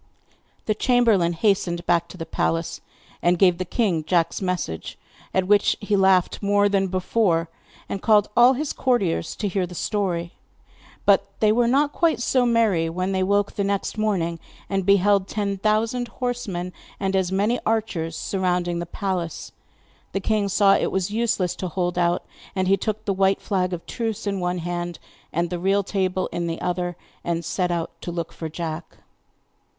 The chamberlain hastened back to the palace, and gave the king Jack's message, at which he laughed more than before, and called all his courtiers to hear the story. But they were not quite so merry when they woke next morning and beheld ten thousand horsemen, and as many archers, surrounding the palace. The king saw it was useless to hold out, and he took the white flag of truce in one hand, and the real table in the other, and set out to look for Jack.